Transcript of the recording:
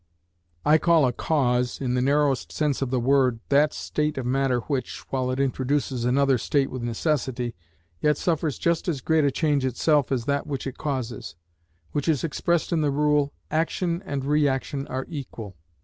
I call a cause, in the narrowest sense of the word, that state of matter, which, while it introduces another state with necessity, yet suffers just as great a change itself as that which it causes; which is expressed in the rule, "action and reaction are equal."